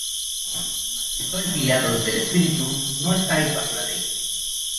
Mas si sois guiados del Espíritu, no estáis bajo la ley.